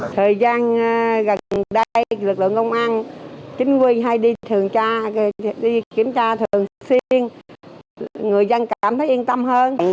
thời gian gần đây lực lượng công an chính quy hay đi kiểm tra thường xuyên người dân cảm thấy yên tâm hơn